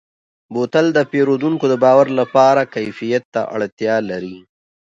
بوتل د پیرودونکو د باور لپاره کیفیت ته اړتیا لري.